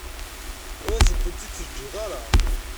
Ur asent-tent-id-teǧǧiḍ ara.